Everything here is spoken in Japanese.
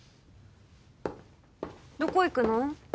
どこ行くの？